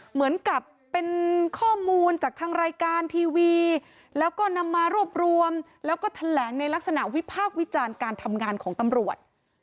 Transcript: เหมือนกับเป็นข้อมูลจากทางรายการทีวีแล้วก็นำมารวบรวมแล้วก็แถลงในลักษณะวิพากษ์วิจารณ์การทำงานของตำรวจ